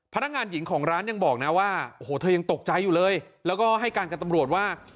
พนักงานหญิงของร้านยังบอกนะว่าโอ้โหเธอยังตกใจอยู่เลยแล้วก็ให้การกับตำรวจว่า